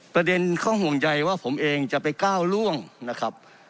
ประเด็นข้อห่วงใยว่าผมเองจะไปก้าวล่วงนะครับ